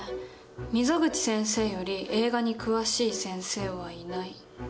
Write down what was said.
溝口先生より映画に詳しい先生はいない。